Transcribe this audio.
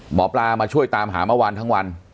หมอปลามาช่วยตามหาเมื่อวานทั้งวัน